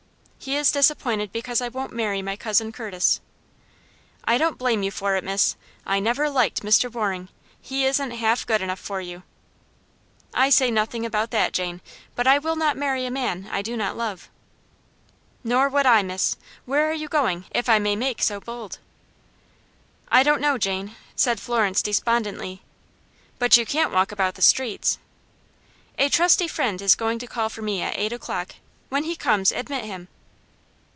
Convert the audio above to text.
"He is disappointed because I won't marry my Cousin Curtis." "I don't blame you for it, miss. I never liked Mr. Waring. He isn't half good enough for you." "I say nothing about that, Jane; but I will not marry a man I do not love." "Nor would I, miss. Where are you going, if I may make so bold?" "I don't know, Jane," said Florence, despondently. "But you can't walk about the streets." "A trusty friend is going to call for me at eight o'clock; when he comes admit him."